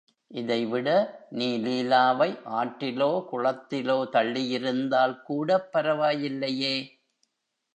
இதைவிட நீ லீலாவை ஆற்றிலோ குளத்திலோ தள்ளியிருந்தால் கூடப் பரவாயில்லையே!